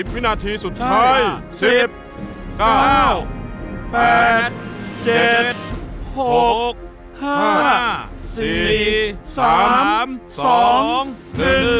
๑๐วินาทีสุดท้าย